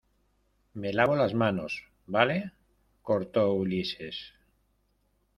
me lavo las manos, ¿ vale? corto. ¡ Ulises!